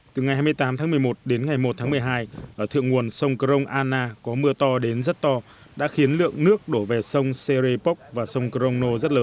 từ ngày hai mươi tám tháng một mươi một đến ngày một tháng một mươi hai ở thượng nguồn sông crong anna có mưa to đến rất to đã khiến lượng nước đổ về sông serepok và sông crono rất lớn